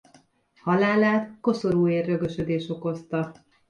Halálát koszorúér-rögösödés okozta.